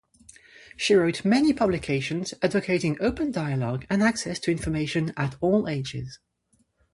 She wrote many publications advocating open dialogue and access to information at all ages.